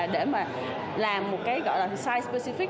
để mà làm một cái size specific